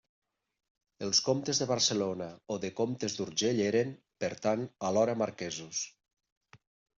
Els comtes de Barcelona o de Comtes d'Urgell eren, per tant, alhora marquesos.